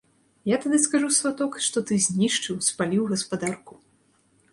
Я тады скажу, сваток, што ты знішчыў, спаліў гаспадарку.